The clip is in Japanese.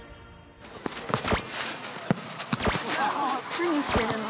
何してるの？